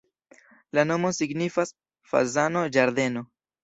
La nomo signifas: fazano-ĝardeno.